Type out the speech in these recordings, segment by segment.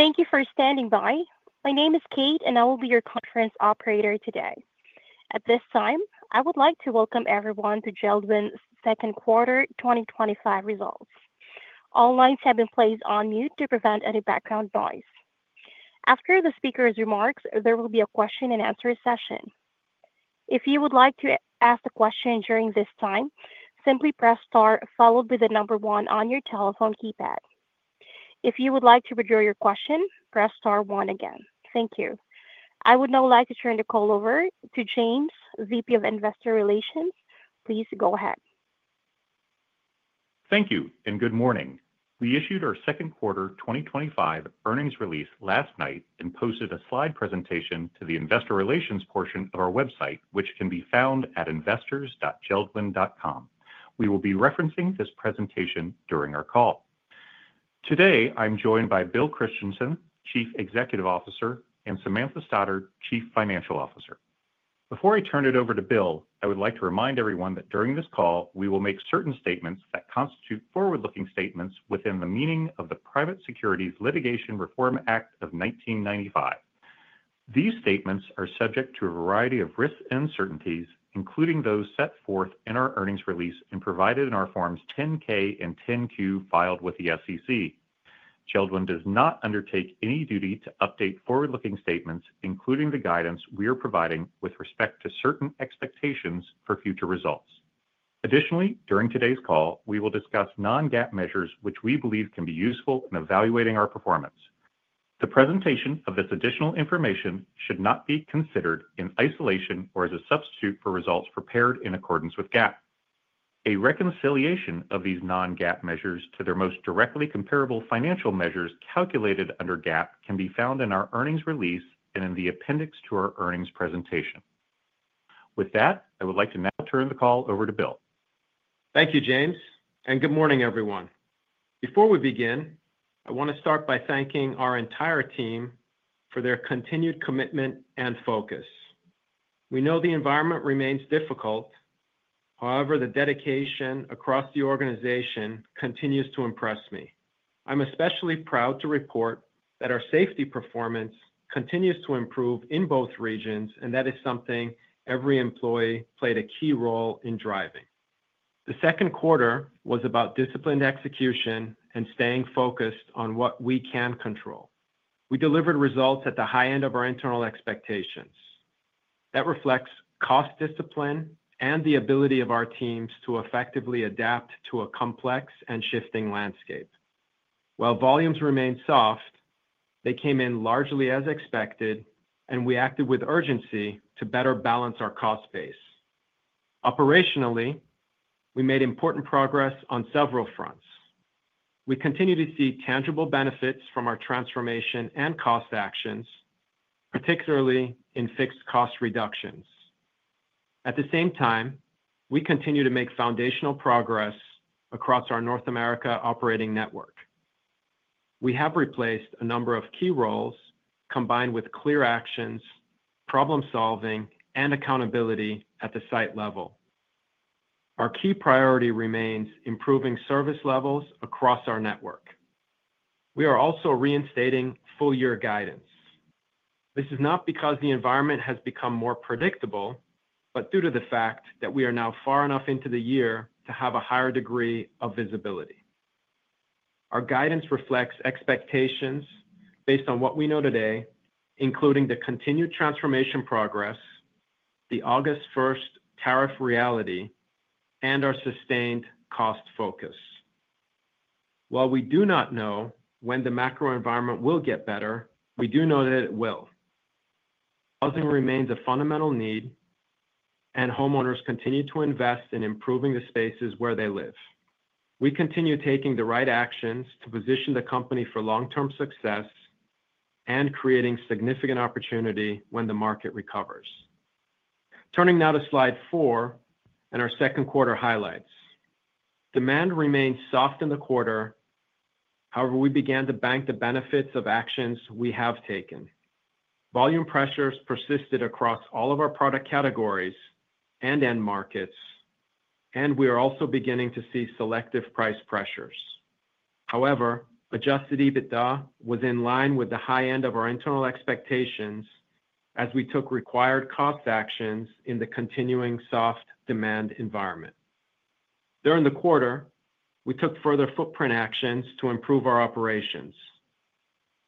Thank you for standing by. My name is Kate, and I will be your conference operator today. At this time, I would like to welcome everyone to JELD-WEN's second quarter 2025 results. All lines have been placed on mute to prevent any background noise. After the speaker's remarks, there will be a question and answer session. If you would like to ask a question during this time, simply press star followed by the number one on your telephone keypad. If you would like to withdraw your question, press star one again. Thank you. I would now like to turn the call over to James Vice President of Investor Relations. Please go ahead. Thank you, and good morning. We issued our second quarter 2025 earnings release last night and posted a slide presentation to the Investor Relations portion of our website, which can be found at investors.jeld-wen.com. We will be referencing this presentation during our call. Today, I'm joined by William Christensen, Chief Executive Officer, and Samantha Stoddard, Chief Financial Officer. Before I turn it over to Bill, I would like to remind everyone that during this call, we will make certain statements that constitute forward-looking statements within the meaning of the Private Securities Litigation Reform Act of 1995. These statements are subject to a variety of risks and uncertainties, including those set forth in our earnings release and provided in our Forms 10-K and 10-Q filed with the SEC. JELD-WEN does not undertake any duty to update forward-looking statements, including the guidance we are providing with respect to certain expectations for future results. Additionally, during today's call, we will discuss non-GAAP measures, which we believe can be useful in evaluating our performance. The presentation of this additional information should not be considered in isolation or as a substitute for results prepared in accordance with GAAP. A reconciliation of these non-GAAP measures to their most directly comparable financial measures calculated under GAAP can be found in our earnings release and in the appendix to our earnings presentation. With that, I would like to now turn the call over to Bill. Thank you, James, and good morning, everyone. Before we begin, I want to start by thanking our entire team for their continued commitment and focus. We know the environment remains difficult. However, the dedication across the organization continues to impress me. I'm especially proud to report that our safety performance continues to improve in both regions, and that is something every employee played a key role in driving. The second quarter was about disciplined execution and staying focused on what we can control. We delivered results at the high end of our internal expectations. That reflects cost discipline and the ability of our teams to effectively adapt to a complex and shifting landscape. While volumes remain soft, they came in largely as expected, and we acted with urgency to better balance our cost base. Operationally, we made important progress on several fronts. We continue to see tangible benefits from our transformation and cost actions, particularly in fixed cost reductions. At the same time, we continue to make foundational progress across our North America operating network. We have replaced a number of key roles, combined with clear actions, problem solving, and accountability at the site level. Our key priority remains improving service levels across our network. We are also reinstating full-year guidance. This is not because the environment has become more predictable, but due to the fact that we are now far enough into the year to have a higher degree of visibility. Our guidance reflects expectations based on what we know today, including the continued transformation progress, the August 1st tariff reality, and our sustained cost focus. While we do not know when the macro environment will get better, we do know that it will. Housing remains a fundamental need, and homeowners continue to invest in improving the spaces where they live. We continue taking the right actions to position the company for long-term success and creating significant opportunity when the market recovers. Turning now to slide four and our second quarter highlights. Demand remains soft in the quarter. However, we began to bank the benefits of actions we have taken. Volume pressures persisted across all of our product categories and end markets, and we are also beginning to see selective price pressures. However, Adjusted EBITDA was in line with the high end of our internal expectations as we took required cost actions in the continuing soft demand environment. During the quarter, we took further footprint actions to improve our operations.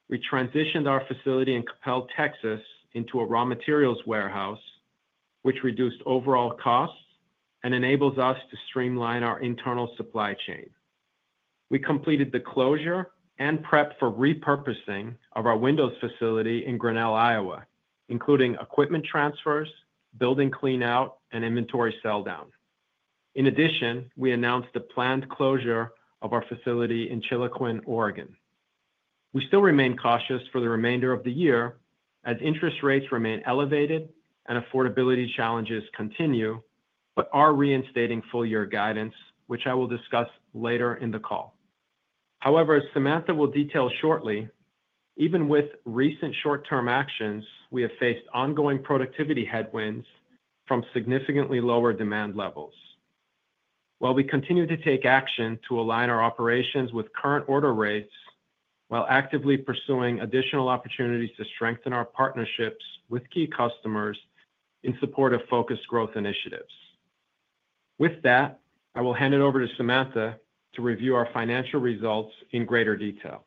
We transitioned our facility in Coppell, Texas, into a raw materials warehouse, which reduced overall costs and enables us to streamline our internal supply chain. We completed the closure and prep for repurposing of our windows facility in Grinnell, Iowa, including equipment transfers, building clean-out, and inventory sell-down. In addition, we announced the planned closure of our facility in Chiloquin, Oregon. We still remain cautious for the remainder of the year as interest rates remain elevated and affordability challenges continue, but are reinstating full-year guidance, which I will discuss later in the call. However, as Samantha will detail shortly, even with recent short-term actions, we have faced ongoing productivity headwinds from significantly lower demand levels. While we continue to take action to align our operations with current order rates, we are actively pursuing additional opportunities to strengthen our partnerships with key customers in support of focused growth initiatives. With that, I will hand it over to Samantha to review our financial results in greater detail.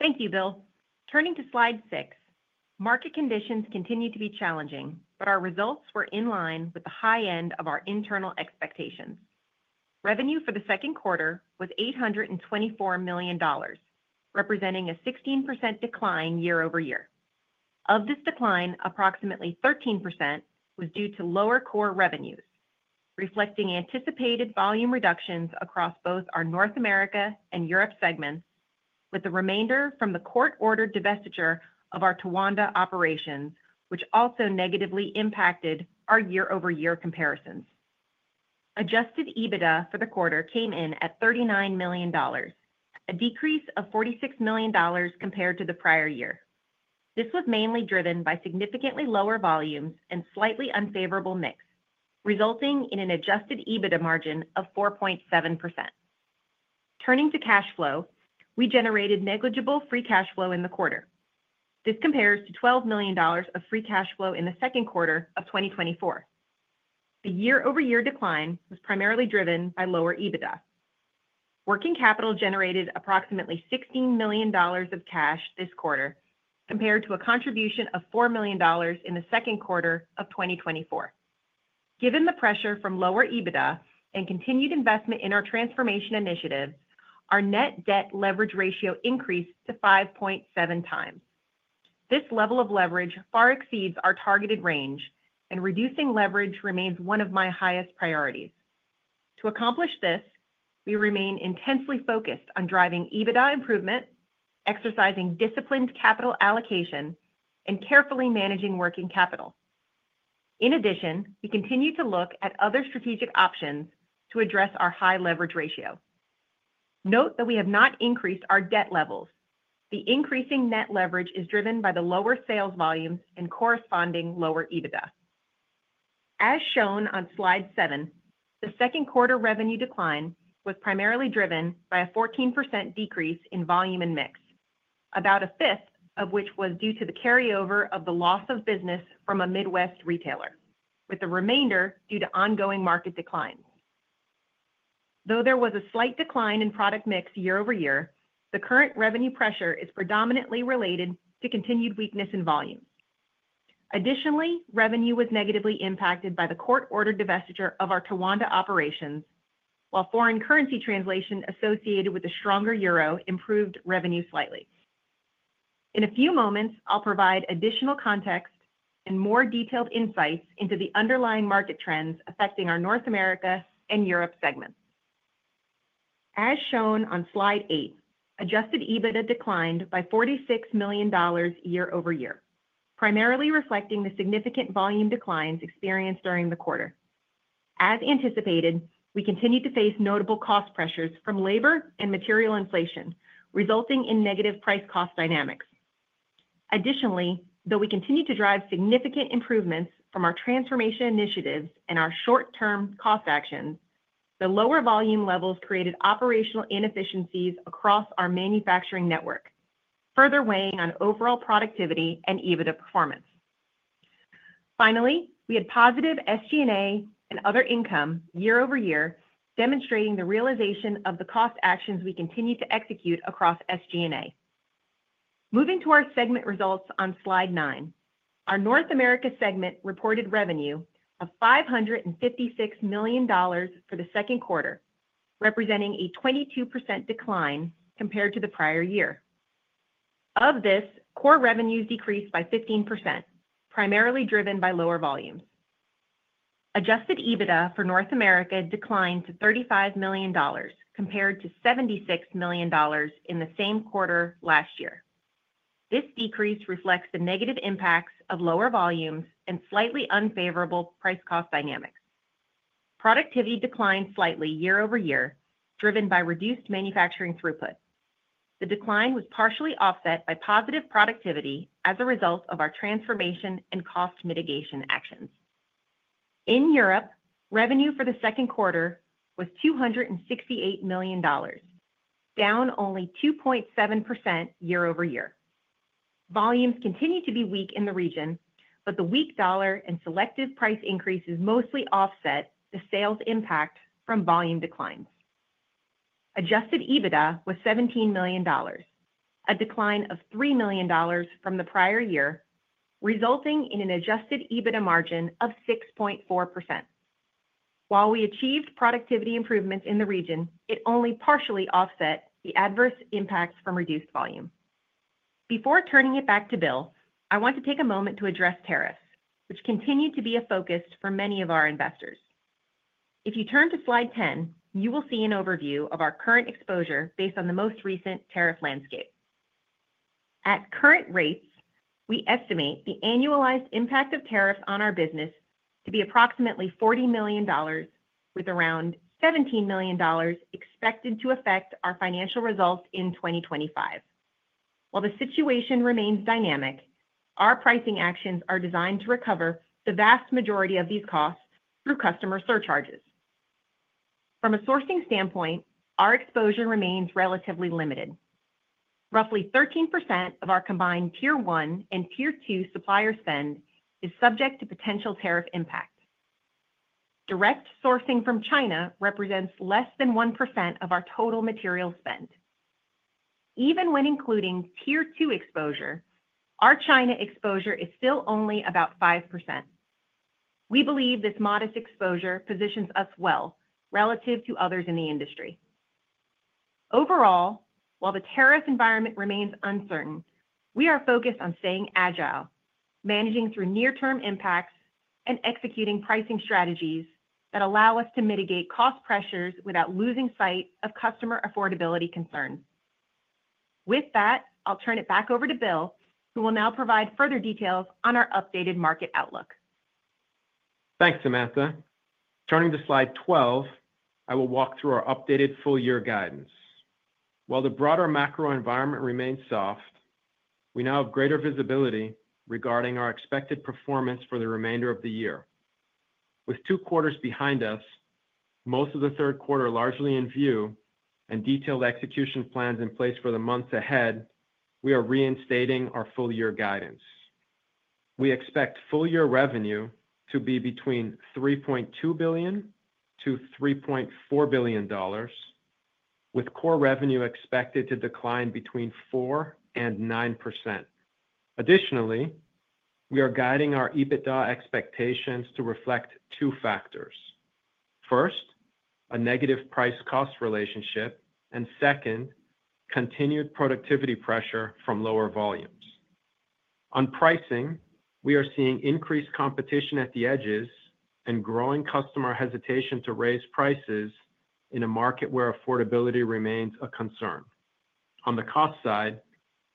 Thank you, Bill. Turning to slide six, market conditions continue to be challenging, but our results were in line with the high end of our internal expectations. Revenue for the second quarter was $824 million, representing a 16% decline year over year. Of this decline, approximately 13% was due to lower core revenues, reflecting anticipated volume reductions across both our North America and Europe segments, with the remainder from the court-ordered divestiture of our Towanda operations, which also negatively impacted our year-over-year comparisons. Adjusted EBITDA for the quarter came in at $39 million, a decrease of $46 million compared to the prior year. This was mainly driven by significantly lower volumes and slightly unfavorable mix, resulting in an Adjusted EBITDA margin of 4.7%. Turning to cash flow, we generated negligible free cash flow in the quarter. This compares to $12 million of free cash flow in the second quarter of 2024. The year-over-year decline was primarily driven by lower EBITDA. Working capital generated approximately $16 million of cash this quarter, compared to a contribution of $4 million in the second quarter of 2024. Given the pressure from lower EBITDA and continued investment in our transformation initiatives, our net debt leverage ratio increased to 5.7 times. This level of leverage far exceeds our target range, and reducing leverage remains one of my highest priorities. To accomplish this, we remain intensely focused on driving EBITDA improvement, exercising disciplined capital allocation, and carefully managing working capital. In addition, we continue to look at other strategic options to address our high leverage ratio. Note that we have not increased our debt levels. The increasing net leverage is driven by the lower sales volumes and corresponding lower EBITDA. As shown on slide seven, the second quarter revenue decline was primarily driven by a 14% decrease in volume and mix, about a fifth of which was due to the carryover of the loss of business from a Midwest retailer, with the remainder due to ongoing market declines. Though there was a slight decline in product mix year over year, the current revenue pressure is predominantly related to continued weakness in volume. Additionally, revenue was negatively impacted by the court-ordered divestiture of our Towanda operations, while foreign currency translation associated with a stronger euro improved revenue slightly. In a few moments, I'll provide additional context and more detailed insights into the underlying market trends affecting our North America and Europe segments. As shown on slide eight, Adjusted EBITDA declined by $46 million year over year, primarily reflecting the significant volume declines experienced during the quarter. As anticipated, we continue to face notable cost pressures from labor and material inflation, resulting in negative price-cost dynamics. Additionally, though we continue to drive significant improvements from our transformation initiatives and our short-term cost actions, the lower volume levels created operational inefficiencies across our manufacturing network, further weighing on overall productivity and EBITDA performance. Finally, we had positive SG&A and other income year over year, demonstrating the realization of the cost actions we continue to execute across SG&A. Moving to our segment results on slide nine, our North America segment reported revenue of $556 million for the second quarter, representing a 22% decline compared to the prior year. Of this, core revenues decreased by 15%, primarily driven by lower volumes. Adjusted EBITDA for North America declined to $35 million, compared to $76 million in the same quarter last year. This decrease reflects the negative impacts of lower volumes and slightly unfavorable price-cost dynamics. Productivity declined slightly year over year, driven by reduced manufacturing throughput. The decline was partially offset by positive productivity as a result of our transformation and cost mitigation actions. In Europe, revenue for the second quarter was $268 million, down only 2.7% year over year. Volumes continue to be weak in the region, but the weak dollar and selective price increases mostly offset the sales impact from volume declines. Adjusted EBITDA was $17 million, a decline of $3 million from the prior year, resulting in an Adjusted EBITDA margin of 6.4%. While we achieved productivity improvements in the region, it only partially offset the adverse impacts from reduced volume. Before turning it back to Bill, I want to take a moment to address tariffs, which continue to be a focus for many of our investors. If you turn to slide 10, you will see an overview of our current exposure based on the most recent tariff landscape. At current rates, we estimate the annualized impact of tariffs on our business to be approximately $40 million, with around $17 million expected to affect our financial results in 2025. While the situation remains dynamic, our pricing actions are designed to recover the vast majority of these costs through customer surcharges. From a sourcing standpoint, our exposure remains relatively limited. Roughly 13% of our combined Tier 1 and Tier 2 supplier spend is subject to potential tariff impact. Direct sourcing from China represents less than 1% of our total material spend. Even when including Tier 2 exposure, our China exposure is still only about 5%. We believe this modest exposure positions us well relative to others in the industry. Overall, while the tariff environment remains uncertain, we are focused on staying agile, managing through near-term impacts, and executing pricing strategies that allow us to mitigate cost pressures without losing sight of customer affordability concerns. With that, I'll turn it back over to Bill, who will now provide further details on our updated market outlook. Thanks, Samantha. Turning to slide 12, I will walk through our updated full-year guidance. While the broader macro environment remains soft, we now have greater visibility regarding our expected performance for the remainder of the year. With two quarters behind us, most of the third quarter largely in view, and detailed execution plans in place for the months ahead, we are reinstating our full-year guidance. We expect full-year revenue to be between $3.2 billion-$3.4 billion, with core revenue expected to decline between 4% and 9%. Additionally, we are guiding our EBITDA expectations to reflect two factors. First, a negative price-cost relationship, and second, continued productivity pressure from lower volumes. On pricing, we are seeing increased competition at the edges and growing customer hesitation to raise prices in a market where affordability remains a concern. On the cost side,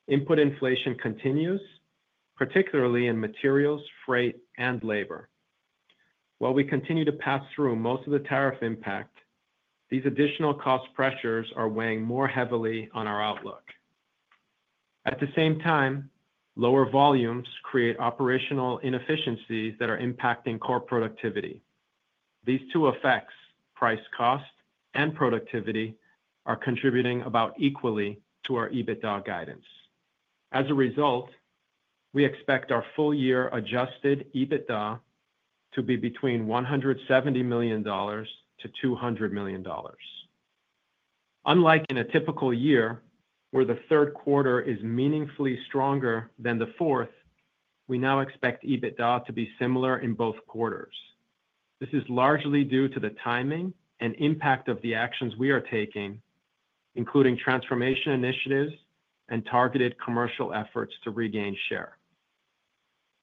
input inflation continues, particularly in materials, freight, and labor. While we continue to pass through most of the tariff impact, these additional cost pressures are weighing more heavily on our outlook. At the same time, lower volumes create operational inefficiencies that are impacting core productivity. These two effects, price-cost and productivity, are contributing about equally to our EBITDA guidance. As a result, we expect our full-year Adjusted EBITDA to be between $170 million to $200 million. Unlike in a typical year, where the third quarter is meaningfully stronger than the fourth, we now expect EBITDA to be similar in both quarters. This is largely due to the timing and impact of the actions we are taking, including transformation initiatives and targeted commercial efforts to regain share.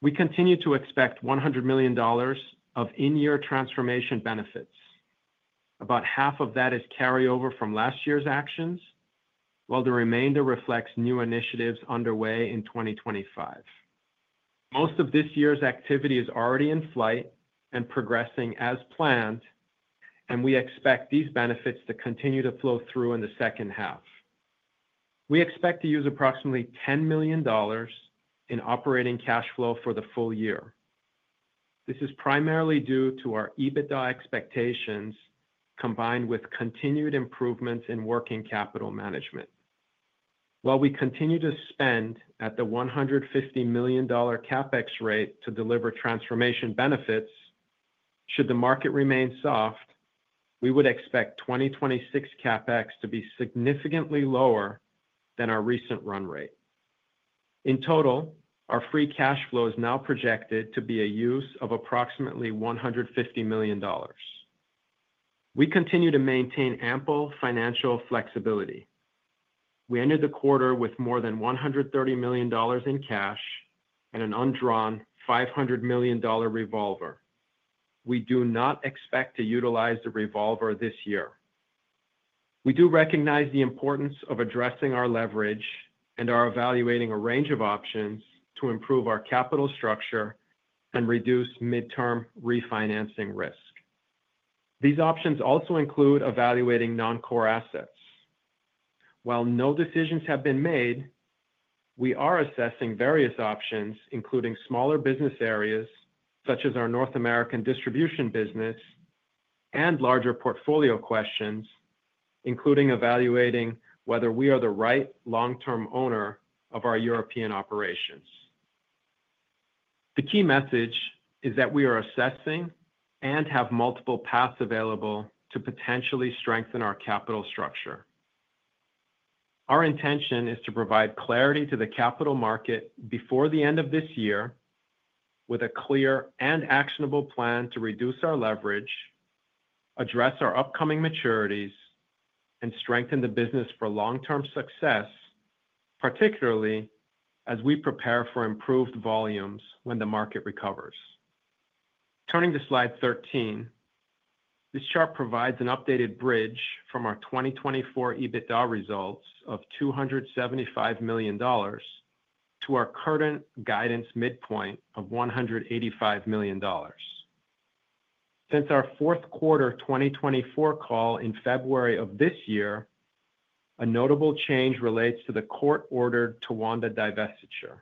We continue to expect $100 million of in-year transformation benefits. About half of that is carryover from last year's actions, while the remainder reflects new initiatives underway in 2025. Most of this year's activity is already in flight and progressing as planned, and we expect these benefits to continue to flow through in the second half. We expect to use approximately $10 million in operating cash flow for the full year. This is primarily due to our EBITDA expectations, combined with continued improvements in working capital management. While we continue to spend at the $150 million CapEx rate to deliver transformation benefits, should the market remain soft, we would expect 2026 CapEx to be significantly lower than our recent run rate. In total, our free cash flow is now projected to be a use of approximately $150 million. We continue to maintain ample financial flexibility. We ended the quarter with more than $130 million in cash and an undrawn $500 million revolver. We do not expect to utilize the revolver this year. We do recognize the importance of addressing our leverage and are evaluating a range of options to improve our capital structure and reduce midterm refinancing risk. These options also include evaluating non-core assets. While no decisions have been made, we are assessing various options, including smaller business areas, such as our North American distribution business, and larger portfolio questions, including evaluating whether we are the right long-term owner of our European operations. The key message is that we are assessing and have multiple paths available to potentially strengthen our capital structure. Our intention is to provide clarity to the capital market before the end of this year, with a clear and actionable plan to reduce our leverage, address our upcoming maturities, and strengthen the business for long-term success, particularly as we prepare for improved volumes when the market recovers. Turning to slide 13, this chart provides an updated bridge from our 2024 Adjusted EBITDA results of $275 million to our current guidance midpoint of $185 million. Since our fourth quarter 2024 call in February of this year, a notable change relates to the court-ordered Towanda divestiture.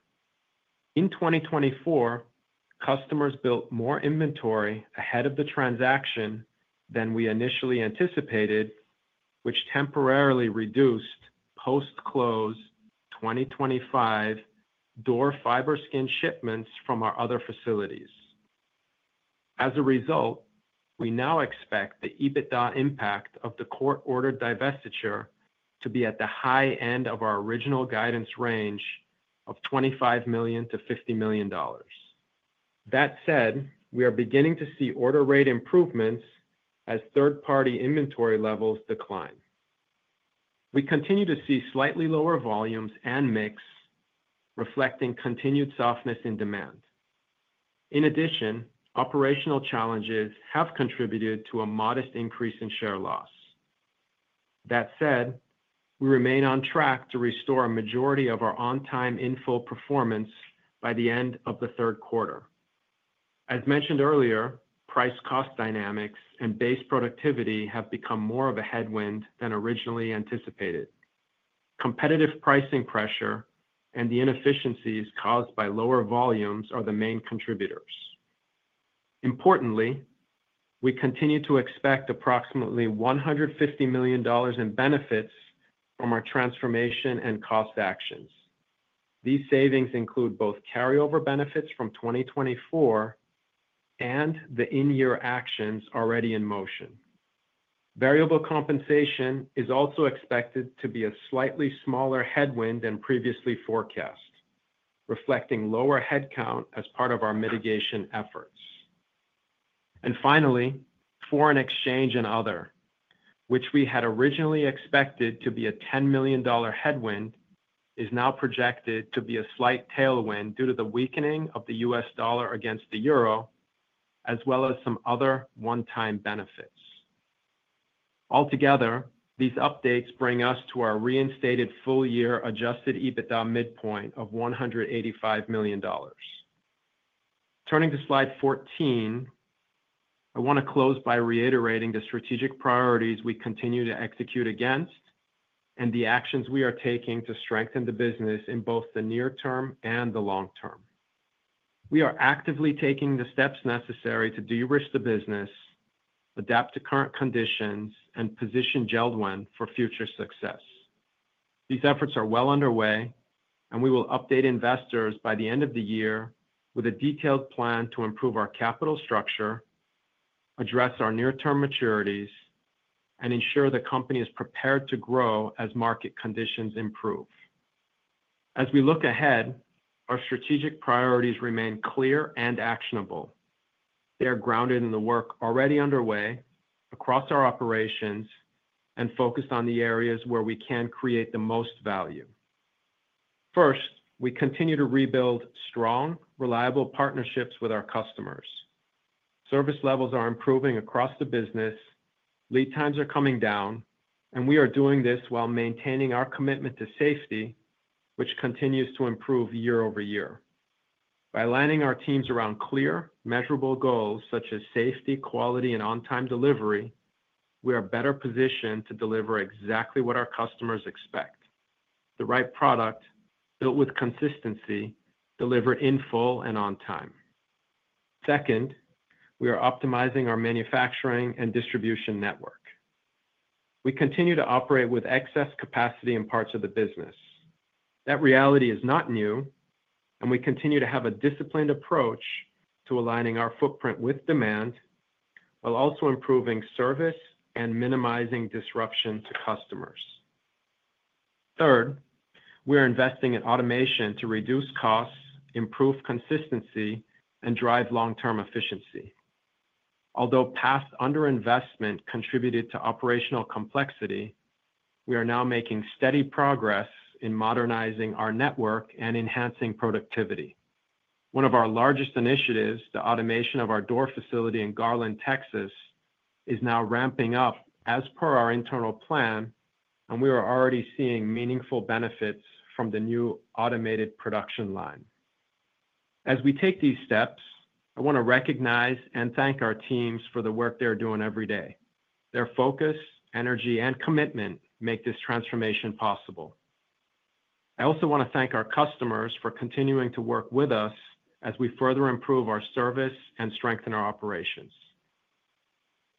In 2024, customers built more inventory ahead of the transaction than we initially anticipated, which temporarily reduced post-close 2025 door fiber skin shipments from our other facilities. As a result, we now expect the Adjusted EBITDA impact of the court-ordered divestiture to be at the high end of our original guidance range of $25 million to $50 million. That said, we are beginning to see order rate improvements as third-party inventory levels decline. We continue to see slightly lower volumes and mix, reflecting continued softness in demand. In addition, operational challenges have contributed to a modest increase in share loss. That said, we remain on track to restore a majority of our on-time infill performance by the end of the third quarter. As mentioned earlier, price-cost dynamics and base productivity have become more of a headwind than originally anticipated. Competitive pricing pressure and the inefficiencies caused by lower volumes are the main contributors. Importantly, we continue to expect approximately $150 million in benefits from our transformation and cost actions. These savings include both carryover benefits from 2024 and the in-year actions already in motion. Variable compensation is also expected to be a slightly smaller headwind than previously forecast, reflecting lower headcount as part of our mitigation efforts. Finally, foreign exchange and other, which we had originally expected to be a $10 million headwind, is now projected to be a slight tailwind due to the weakening of the U.S. dollar against the euro, as well as some other one-time benefits. Altogether, these updates bring us to our reinstated full-year Adjusted EBITDA midpoint of $185 million. Turning to slide 14, I want to close by reiterating the strategic priorities we continue to execute against and the actions we are taking to strengthen the business in both the near term and the long term. We are actively taking the steps necessary to de-risk the business, adapt to current conditions, and position JELD-WEN Holding Inc. for future success. These efforts are well underway, and we will update investors by the end of the year with a detailed plan to improve our capital structure, address our near-term maturities, and ensure the company is prepared to grow as market conditions improve. As we look ahead, our strategic priorities remain clear and actionable. They are grounded in the work already underway across our operations and focused on the areas where we can create the most value. First, we continue to rebuild strong, reliable partnerships with our customers. Service levels are improving across the business, lead times are coming down, and we are doing this while maintaining our commitment to safety, which continues to improve year over year. By aligning our teams around clear, measurable goals such as safety, quality, and on-time delivery, we are better positioned to deliver exactly what our customers expect: the right product, built with consistency, delivered in full and on time. Second, we are optimizing our manufacturing and distribution network. We continue to operate with excess capacity in parts of the business. That reality is not new, and we continue to have a disciplined approach to aligning our footprint with demand while also improving service and minimizing disruption to customers. Third, we are investing in automation to reduce costs, improve consistency, and drive long-term efficiency. Although paths under investment contributed to operational complexity, we are now making steady progress in modernizing our network and enhancing productivity. One of our largest initiatives, the automation of our door facility in Garland, Texas, is now ramping up as per our internal plan, and we are already seeing meaningful benefits from the new automated production line. As we take these steps, I want to recognize and thank our teams for the work they are doing every day. Their focus, energy, and commitment make this transformation possible. I also want to thank our customers for continuing to work with us as we further improve our service and strengthen our operations.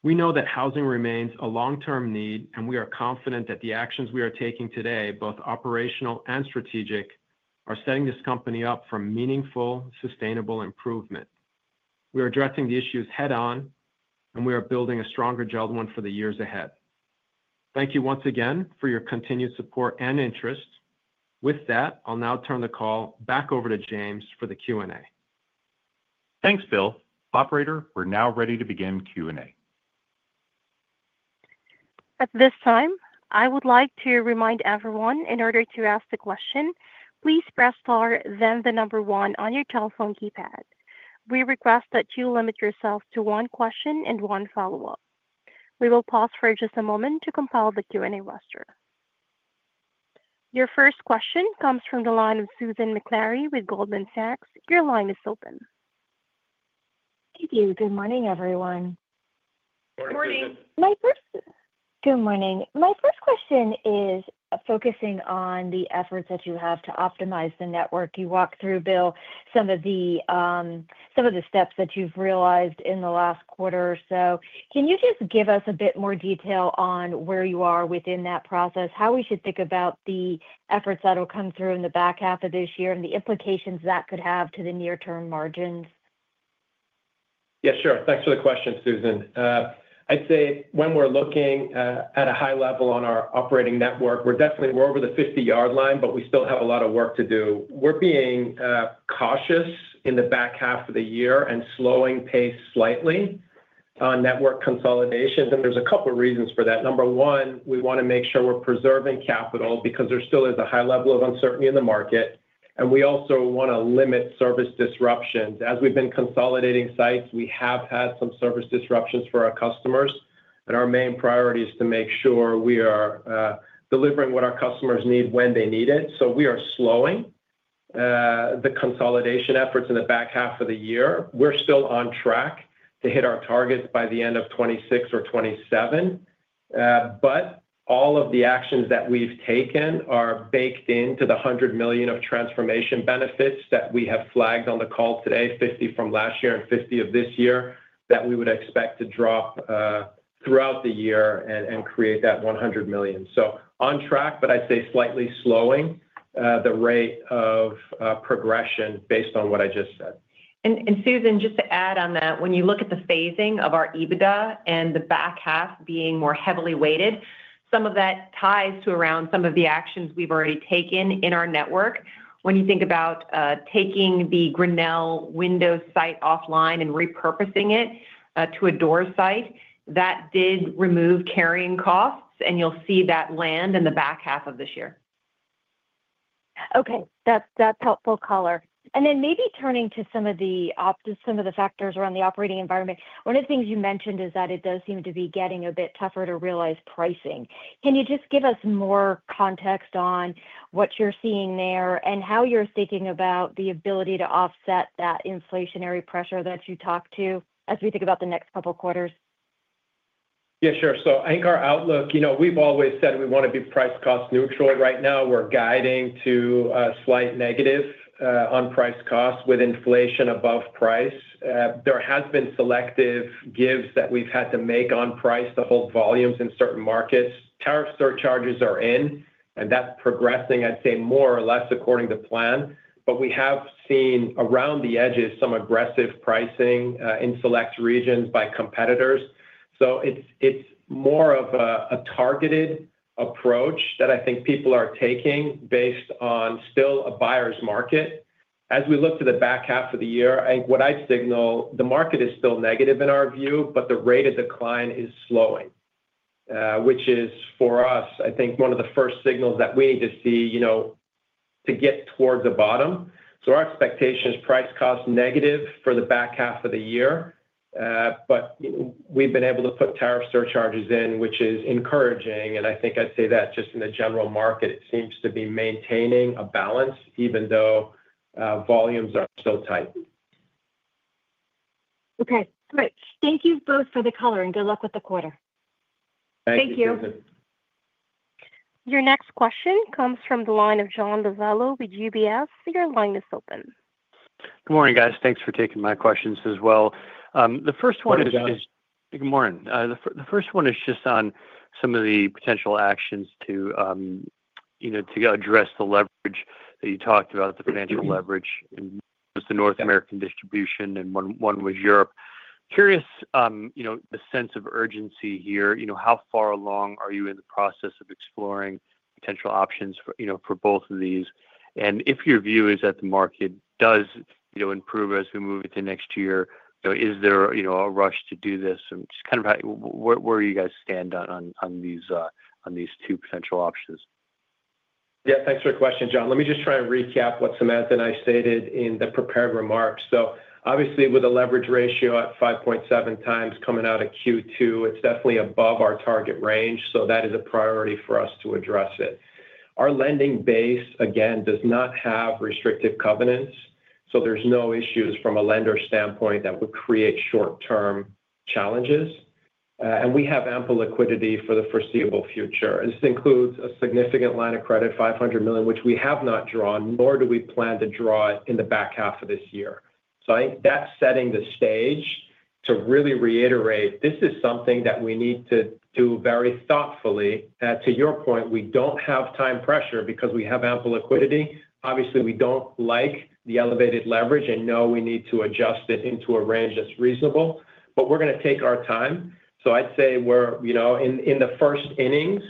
We know that housing remains a long-term need, and we are confident that the actions we are taking today, both operational and strategic, are setting this company up for meaningful, sustainable improvement. We are addressing the issues head-on, and we are building a stronger JELD-WEN for the years ahead. Thank you once again for your continued support and interest. With that, I'll now turn the call back over to James for the Q&A. Thanks, Bill. Operator, we're now ready to begin Q&A. At this time, I would like to remind everyone, in order to ask a question, please press star then the number one on your telephone keypad. We request that you limit yourself to one question and one follow-up. We will pause for just a moment to compile the Q&A roster. Your first question comes from the line of Susan Maklari with Goldman Sachs. Your line is open. Thank you. Good morning, everyone. Morning. Good morning. My first question is focusing on the efforts that you have to optimize the network. You walked through, Bill, some of the steps that you've realized in the last quarter or so. Can you just give us a bit more detail on where you are within that process, how we should think about the efforts that will come through in the back half of this year, and the implications that could have to the near-term margins? Yeah, sure. Thanks for the question, Susan. I'd say when we're looking at a high level on our operating network, we're definitely over the 50-yard line, but we still have a lot of work to do. We're being cautious in the back half of the year and slowing pace slightly on network consolidations, and there's a couple of reasons for that. Number one, we want to make sure we're preserving capital because there still is a high level of uncertainty in the market, and we also want to limit service disruptions. As we've been consolidating sites, we have had some service disruptions for our customers, and our main priority is to make sure we are delivering what our customers need when they need it. We are slowing the consolidation efforts in the back half of the year. We're still on track to hit our target by the end of 2026 or 2027, but all of the actions that we've taken are baked into the $100 million of transformation benefits that we have flagged on the call today, $50 million from last year and $50 million of this year, that we would expect to drop throughout the year and create that $100 million. On track, but I'd say slightly slowing the rate of progression based on what I just said. Susan, just to add on that, when you look at the phasing of our EBITDA and the back half being more heavily weighted, some of that ties to around some of the actions we've already taken in our network. When you think about taking the Grinnell windows site offline and repurposing it to a door site, that did remove carrying costs, and you'll see that land in the back half of this year. Okay, that's helpful color. Maybe turning to some of the optics, some of the factors around the operating environment, one of the things you mentioned is that it does seem to be getting a bit tougher to realize pricing. Can you just give us more context on what you're seeing there and how you're thinking about the ability to offset that inflationary pressure that you talked to as we think about the next couple of quarters? Yeah, sure. I think our outlook, you know, we've always said we want to be price-cost neutral. Right now, we're guiding to a slight negative on price-cost with inflation above price. There have been selective gives that we've had to make on price to hold volumes in certain markets. Tariff surcharges are in, and that's progressing, I'd say, more or less according to plan. We have seen around the edges some aggressive pricing in select regions by competitors. It's more of a targeted approach that I think people are taking based on still a buyer's market. As we look to the back half of the year, what I'd signal is the market is still negative in our view, but the rate of decline is slowing, which is for us, I think, one of the first signals that we need to see, you know, to get towards a bottom. Our expectation is price-cost negative for the back half of the year, but we've been able to put tariff surcharges in, which is encouraging. I think I'd say that just in the general market, it seems to be maintaining a balance even though volumes are still tight. Okay, all right. Thank you both for the color, and good luck with the quarter. Thank you. Your next question comes from the line of John Lovallo with UBS. Your line is open. Good morning, guys. Thanks for taking my questions as well. The first one is just on some of the potential actions to address the leverage that you talked about, the financial leverage in the North American distribution, and one was Europe. Curious, the sense of urgency here, how far along are you in the process of exploring potential options for both of these? If your view is that the market does improve as we move into next year, is there a rush to do this? Just kind of where do you guys stand on these two potential options? Yeah, thanks for the question, John. Let me just try and recap what Samantha and I stated in the prepared remarks. Obviously, with a leverage ratio at 5.7 times coming out of Q2, it's definitely above our target range. That is a priority for us to address it. Our lending base, again, does not have restrictive covenants. There are no issues from a lender standpoint that would create short-term challenges, and we have ample liquidity for the foreseeable future. This includes a significant line of credit, $500 million, which we have not drawn, nor do we plan to draw it in the back half of this year. I think that's setting the stage to really reiterate this is something that we need to do very thoughtfully. To your point, we don't have time pressure because we have ample liquidity. Obviously, we don't like the elevated leverage and know we need to adjust it into a range that's reasonable, but we're going to take our time. I'd say we're in the first innings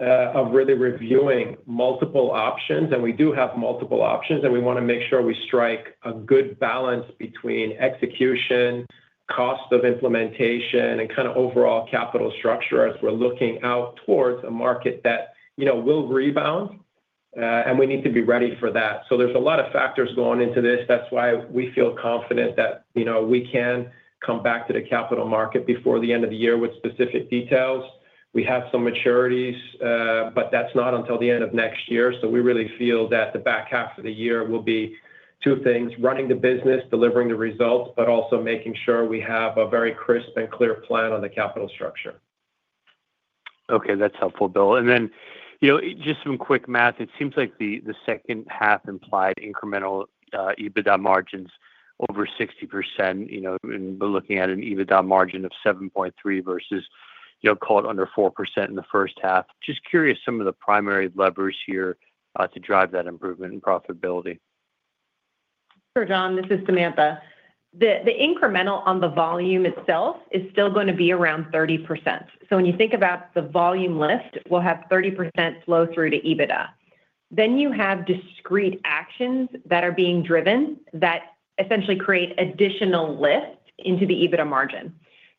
of really reviewing multiple options, and we do have multiple options, and we want to make sure we strike a good balance between execution, cost of implementation, and kind of overall capital structure as we're looking out towards a market that will rebound, and we need to be ready for that. There are a lot of factors going into this. That's why we feel confident that we can come back to the capital market before the end of the year with specific details. We have some maturities, but that's not until the end of next year. We really feel that the back half of the year will be two things: running the business, delivering the results, but also making sure we have a very crisp and clear plan on the capital structure. Okay, that's helpful, Bill. It seems like the second half implied incremental EBITDA margins over 60%, and we're looking at an EBITDA margin of 7.3% versus, you know, call it under 4% in the first half. Just curious some of the primary levers here to drive that improvement in profitability. Sure, John. This is Samantha. The incremental on the volume itself is still going to be around 30%. When you think about the volume lift, we'll have 30% flow through to EBITDA. You have discrete actions that are being driven that essentially create additional lift into the EBITDA margin.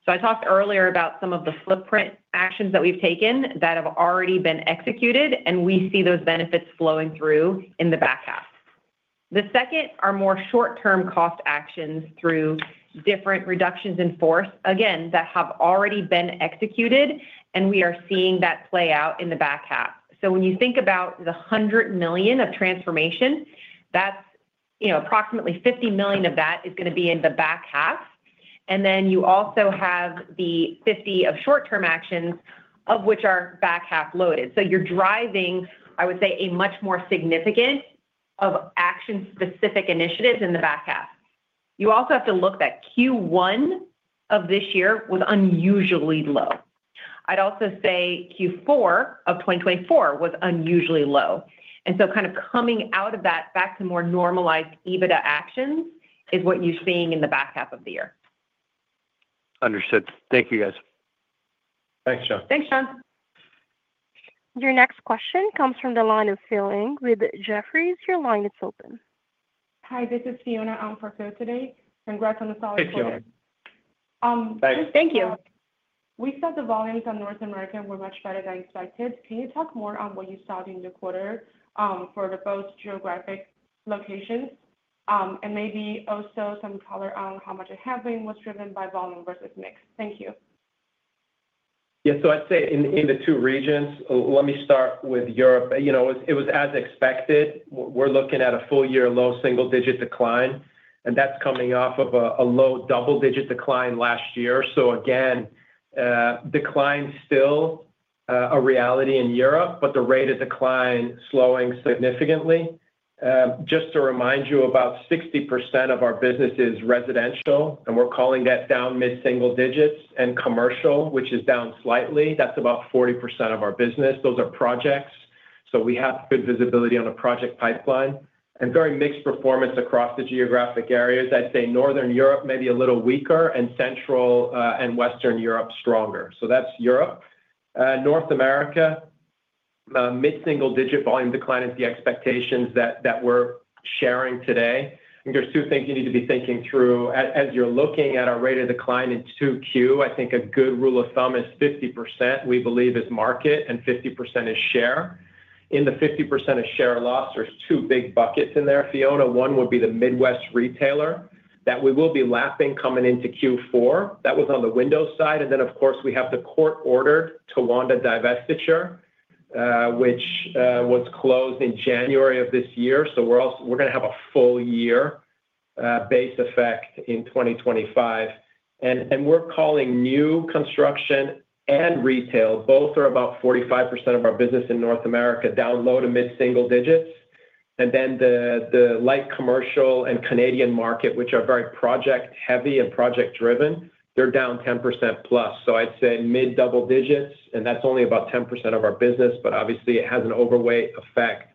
I talked earlier about some of the footprint actions that we've taken that have already been executed, and we see those benefits flowing through in the back half. The second are more short-term cost actions through different reductions in force, again, that have already been executed, and we are seeing that play out in the back half. When you think about the $100 million of transformation, that's approximately $50 million of that going to be in the back half. You also have the $50 million of short-term actions, of which are back half loaded. You're driving, I would say, a much more significant amount of action-specific initiatives in the back half. You also have to look that Q1 of this year was unusually low. I'd also say Q4 of 2024 was unusually low. Coming out of that, back to more normalized EBITDA actions is what you're seeing in the back half of the year. Understood. Thank you, guys. Thanks, John. Thanks, John. Your next question comes from the line of Phil with Jefferies. Your line is open. Hi, this is Fiona. I'm for Phil today. Congrats on the solid quarter. Hi, Fiona. Thank you. We felt the volumes on North America were much better than expected. Can you talk more on what you saw during the quarter for both geographic locations, and maybe also some color on how much of halving was driven by volume versus mix? Thank you. Yeah, so I'd say in the two regions, let me start with Europe. It was as expected. We're looking at a full-year low single-digit decline, and that's coming off of a low double-digit decline last year. Decline is still a reality in Europe, but the rate of decline is slowing significantly. Just to remind you, about 60% of our business is residential, and we're calling that down mid-single digits, and commercial, which is down slightly. That's about 40% of our business. Those are projects. We have good visibility on a project pipeline and very mixed performance across the geographic areas. I'd say Northern Europe may be a little weaker, and Central and Western Europe stronger. That's Europe. North America, mid-single-digit volume decline is the expectations that we're sharing today. I think there's two things you need to be thinking through as you're looking at our rate of decline in 2Q. A good rule of thumb is 50% we believe is market and 50% is share. In the 50% of share loss, there's two big buckets in there. Fiona, one would be the Midwest retailer that we will be lapping coming into Q4. That was on the windows side. Then, of course, we have the court-ordered Towanda divestiture, which was closed in January of this year. We're going to have a full-year base effect in 2025. We're calling new construction and retail, both are about 45% of our business in North America, down low to mid-single digits. The light commercial and Canadian market, which are very project-heavy and project-driven, they're down 10% plus. I'd say mid-double digits, and that's only about 10% of our business, but obviously it has an overweight effect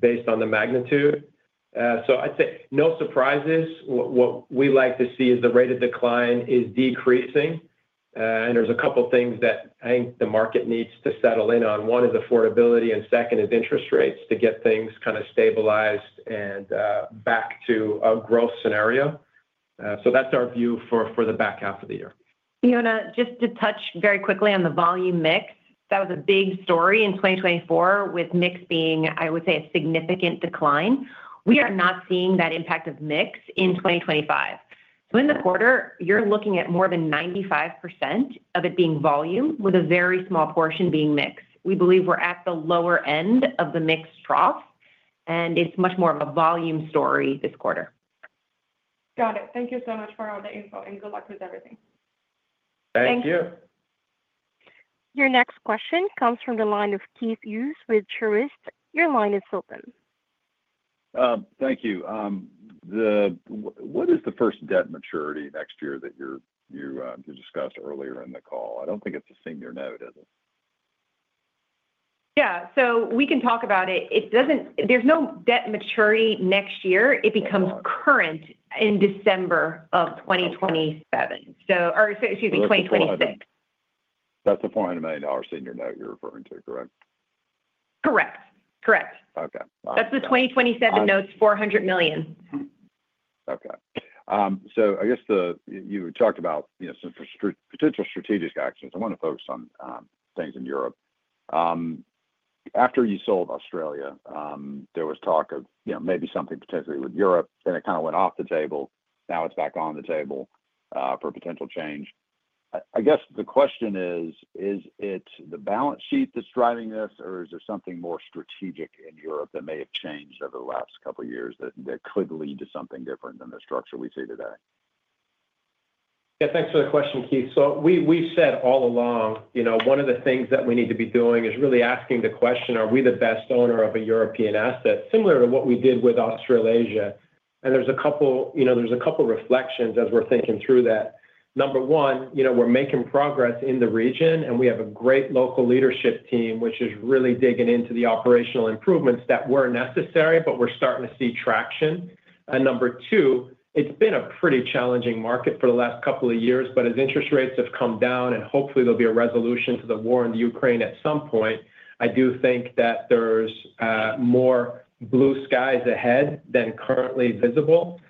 based on the magnitude. I'd say no surprises. What we like to see is the rate of decline is decreasing. There are a couple of things that I think the market needs to settle in on. One is affordability, and second is interest rates to get things kind of stabilized and back to a growth scenario. That's our view for the back half of the year. Fiona, just to touch very quickly on the volume mix, that was a big story in 2024 with mix being, I would say, a significant decline. We are not seeing that impact of mix in 2025. In the quarter, you're looking at more than 95% of it being volume with a very small portion being mix. We believe we're at the lower end of the mix trough, and it's much more of a volume story this quarter. Got it. Thank you so much for all the info, and good luck with everything. Thank you. Your next question comes from the line of Keith Hughes from Truist, your line is open. Thank you. What is the first debt maturity next year that you discussed earlier in the call? I don't think it's a senior note, is it? We can talk about it. There's no debt maturity next year. It becomes current in December 2027, or excuse me, 2026. That's a $400 million senior note you're referring to, correct? Correct. Correct. Okay. That's the 2027 note, it's $400 million. Okay. You talked about some potential strategic actions. I want to focus on things in Europe. After you sold Australia, there was talk of maybe something potentially with Europe, then it kind of went off the table. Now it's back on the table for potential change. The question is, is it the balance sheet that's driving this, or is there something more strategic in Europe that may have changed over the last couple of years that could lead to something different than the structure we see today? Yeah, thanks for the question, Keith. We've said all along, one of the things that we need to be doing is really asking the question, are we the best owner of a European asset? Similar to what we did with Australasia. There are a couple of reflections as we're thinking through that. Number one, we're making progress in the region, and we have a great local leadership team, which is really digging into the operational improvements that were necessary, and we're starting to see traction. Number two, it's been a pretty challenging market for the last couple of years, but as interest rates have come down, and hopefully there'll be a resolution to the war in Ukraine at some point, I do think that there's more blue skies ahead than currently visible.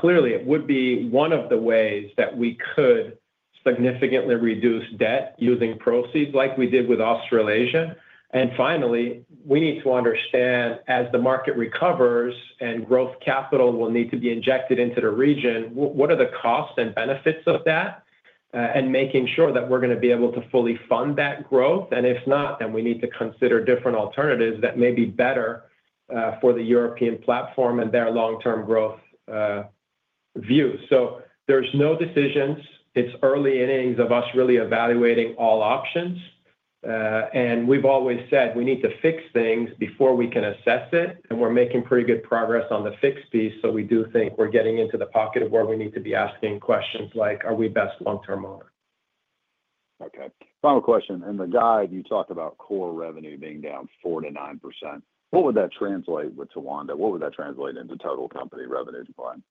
Clearly, it would be one of the ways that we could significantly reduce debt using proceeds like we did with Australasia. Finally, we need to understand as the market recovers and growth capital will need to be injected into the region, what are the costs and benefits of that, and making sure that we're going to be able to fully fund that growth. If not, then we need to consider different alternatives that may be better for the European platform and their long-term growth views. There are no decisions. It's early innings of us really evaluating all options. We've always said we need to fix things before we can assess it, and we're making pretty good progress on the fix piece. We do think we're getting into the pocket of where we need to be asking questions like, are we best long-term owner? Okay. Final question. In the guide, you talked about core revenue being down 49%. What would that translate with Towanda? What would that translate into total company revenue decline?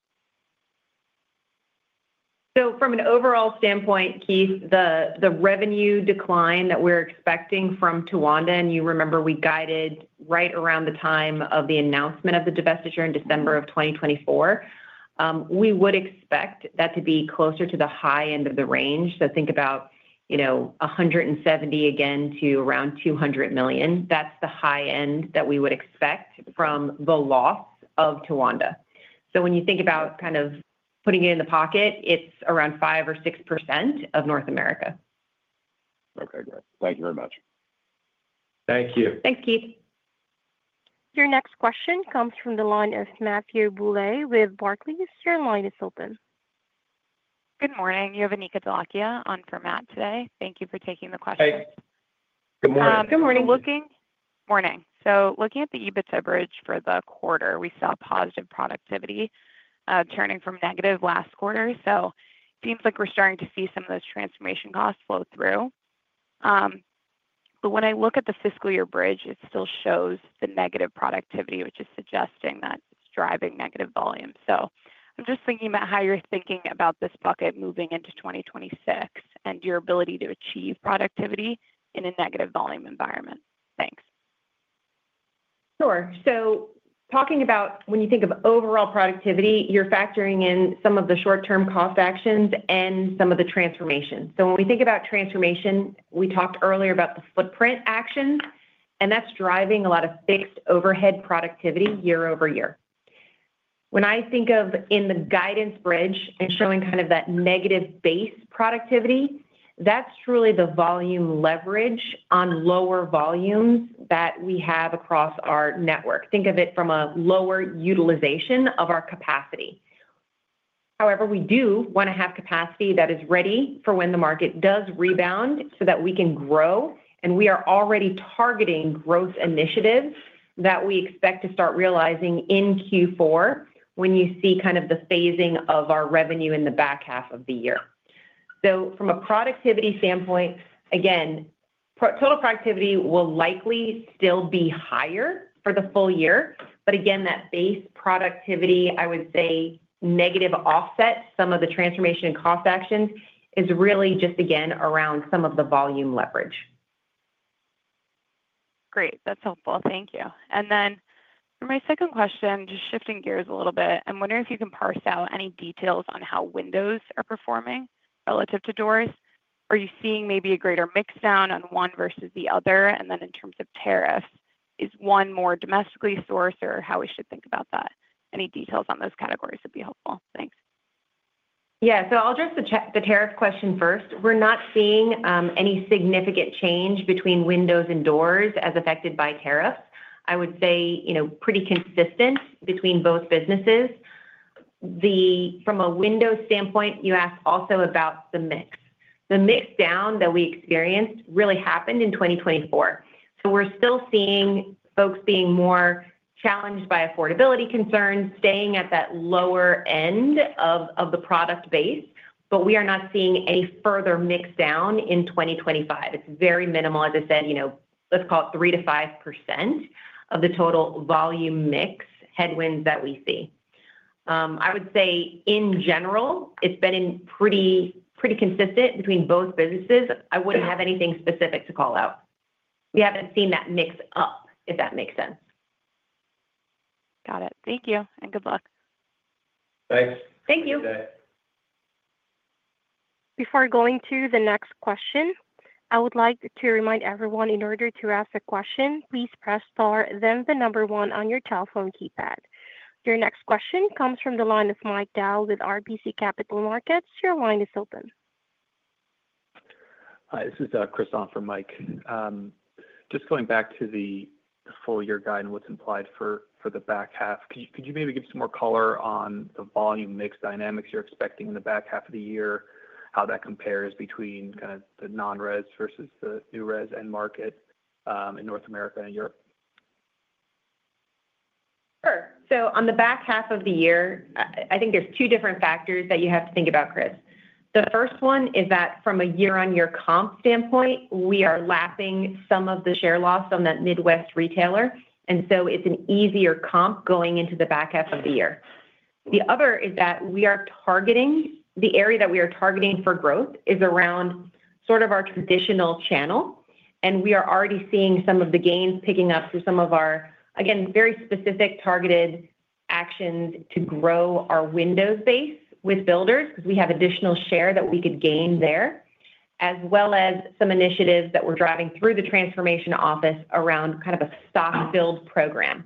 From an overall standpoint, Keith, the revenue decline that we're expecting from Towanda, and you remember we guided right around the time of the announcement of the divestiture in December 2024, we would expect that to be closer to the high end of the range. Think about $170 million again to around $200 million. That's the high end that we would expect from the loss of Towanda. When you think about kind of putting it in the pocket, it's around 5% or 6% of North America. Okay, good. Thank you very much. Thank you. Thanks, Keith. Your next question comes from the line of Matthew Bouley with Barclays. Your line is open. Good morning. You have Anika Dholakia on for Matt today. Thank you for taking the question. Thanks. Good morning. Good morning. Looking at the EBITDA bridge for the quarter, we saw positive productivity churning from negative last quarter. It seems like we're starting to see some of those transformation costs flow through. When I look at the fiscal year bridge, it still shows the negative productivity, which is suggesting that it's driving negative volume. I'm just thinking about how you're thinking about this bucket moving into 2026 and your ability to achieve productivity in a negative volume environment. Thanks. Sure. Talking about when you think of overall productivity, you're factoring in some of the short-term cost actions and some of the transformation. When we think about transformation, we talked earlier about the footprint actions, and that's driving a lot of fixed overhead productivity year over year. When I think of in the guidance bridge and showing kind of that negative base productivity, that's truly the volume leverage on lower volumes that we have across our network. Think of it from a lower utilization of our capacity. However, we do want to have capacity that is ready for when the market does rebound so that we can grow, and we are already targeting growth initiatives that we expect to start realizing in Q4 when you see kind of the phasing of our revenue in the back half of the year. From a productivity standpoint, again, total productivity will likely still be higher for the full year, but again, that base productivity, I would say negative offset some of the transformation cost actions is really just again around some of the volume leverage. Great. That's helpful. Thank you. For my second question, just shifting gears a little bit, I'm wondering if you can parse out any details on how windows are performing relative to doors. Are you seeing maybe a greater mix down on one versus the other? In terms of tariffs, is one more domestically sourced or how we should think about that? Any details on those categories would be helpful. Thanks. Yeah, I'll address the tariff question first. We're not seeing any significant change between windows and doors as affected by tariffs. I would say it's pretty consistent between both businesses. From a windows standpoint, you asked also about the mix. The mix down that we experienced really happened in 2024. We're still seeing folks being more challenged by affordability concerns, staying at that lower end of the product base, but we are not seeing a further mix down in 2025. It's very minimal, let's call it 3% to 5% of the total volume mix headwind that we see. In general, it's been pretty consistent between both businesses. I wouldn't have anything specific to call out. We haven't seen that mix up, if that makes sense. Got it. Thank you and good luck. Thanks. Thank you. Before going to the next question, I would like to remind everyone, in order to ask a question, please press star, then the number one on your telephone keypad. Your next question comes from the line of Mike Dahl with RBC Capital Markets. Your line is open. Hi, this is Chris on for Mike. Just going back to the full-year guide and what's implied for the back half, could you maybe give some more color on the volume mix dynamics you're expecting in the back half of the year, how that compares between kind of the non-res versus the new res and market in North America and Europe? Sure. On the back half of the year, I think there are two different factors that you have to think about, Chris. The first one is that from a year-on-year comp standpoint, we are lapping some of the share loss on that Midwest retailer, so it's an easier comp going into the back half of the year. The other is that the area we are targeting for growth is around our traditional channel, and we are already seeing some of the gains picking up through some of our very specific targeted actions to grow our windows base with builders because we have additional share that we could gain there, as well as some initiatives that we're driving through the transformation office around a stock-filled program.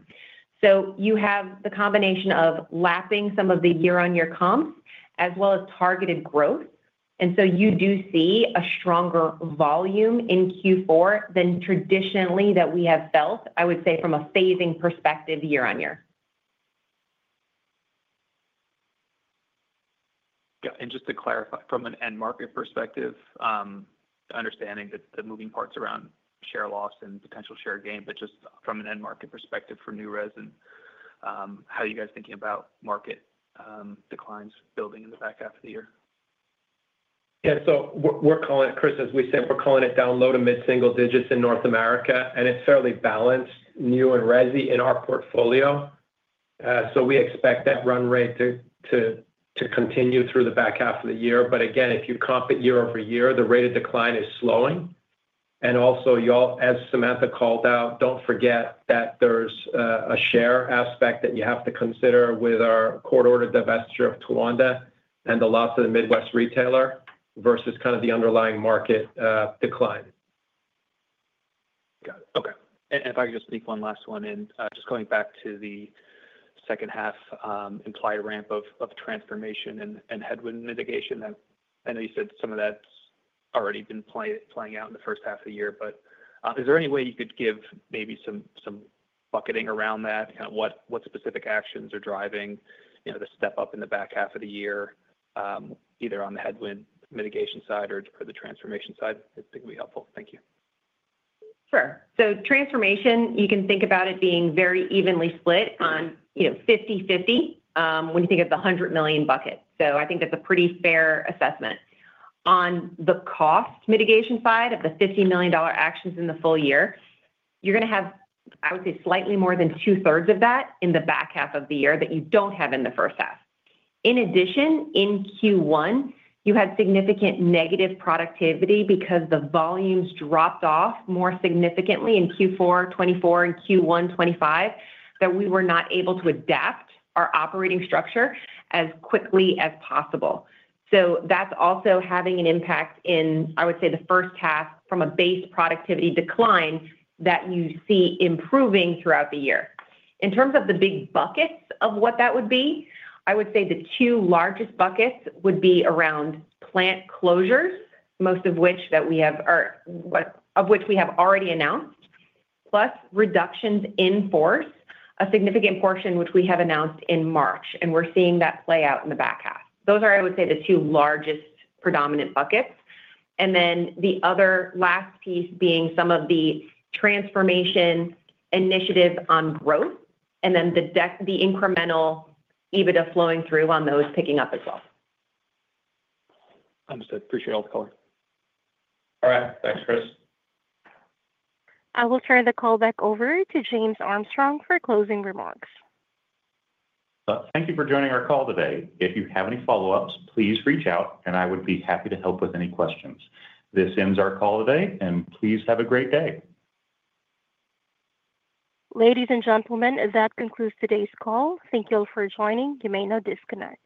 You have the combination of lapping some of the year-on-year comps as well as targeted growth, so you do see a stronger volume in Q4 than traditionally that we have felt, I would say, from a phasing perspective year on year. Yeah, just to clarify, from an end market perspective, understanding that the moving parts around share loss and potential share gain, just from an end market perspective for new res, how are you guys thinking about market declines building in the back half of the year? Yeah, we're calling it, Chris, as we said, we're calling it down low to mid-single digits in North America, and it's fairly balanced, new and resy in our portfolio. We expect that run rate to continue through the back half of the year. If you comp it year over year, the rate of decline is slowing. Also, as Samantha called out, don't forget that there's a share aspect that you have to consider with our court-ordered divestiture of Towanda and the loss of the Midwest retailer versus the underlying market decline. Got it. Okay. If I could just sneak one last one in, just going back to the second half implied ramp of transformation and headwind mitigation, I know you said some of that's already been playing out in the first half of the year, but is there any way you could give maybe some bucketing around that? Kind of what specific actions are driving the step up in the back half of the year, either on the headwind mitigation side or the transformation side? I think it'd be helpful. Thank you. Sure. Transformation, you can think about it being very evenly split, 50-50, when you think of the $100 million bucket. I think that's a pretty fair assessment. On the cost mitigation side of the $50 million actions in the full year, you're going to have, I would say, slightly more than two-thirds of that in the back half of the year that you don't have in the first half. In addition, in Q1, you had significant negative productivity because the volumes dropped off more significantly in Q4 2024 and Q1 2025, and we were not able to adapt our operating structure as quickly as possible. That's also having an impact in, I would say, the first half from a base productivity decline that you see improving throughout the year. In terms of the big buckets of what that would be, I would say the two largest buckets would be around plant closures, most of which we have already announced, plus reductions in force, a significant portion of which we announced in March, and we're seeing that play out in the back half. Those are, I would say, the two largest predominant buckets. The other last piece is some of the transformation initiatives on growth, and then the incremental Adjusted EBITDA flowing through on those picking up as well. Understood. Appreciate all the color. All right. Thanks, Chris. I will turn the call back over to James Armstrong for closing remarks. Thank you for joining our call today. If you have any follow-ups, please reach out, and I would be happy to help with any questions. This ends our call today, and please have a great day. Ladies and gentlemen, that concludes today's call. Thank you all for joining. You may now disconnect.